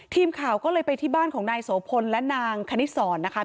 ทีมข่าวก็เลยไปที่บ้านของนายโสพลและนางคณิตศรนะคะ